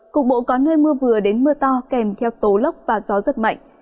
cục bộ có nơi mưa vừa đến mưa to kèm theo tố lốc và gió rất mạnh